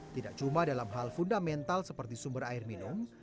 tidak cuma dalam hal fundamental seperti sumber air minum